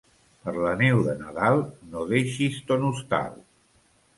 Per la neu de Nadal no deixis ton hostal.